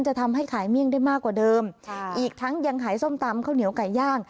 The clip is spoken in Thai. จะทำให้ขายเมี่ยงได้มากกว่าเดิมอีกทั้งยังขายส้มตำข้าวเหนียวไก่ย่าง